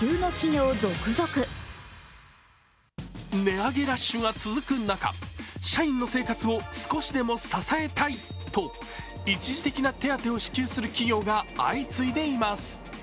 値上げラッシュが続く中社員の生活を少しでも支えたいと一時的な手当を支給する企業が相次いでいます。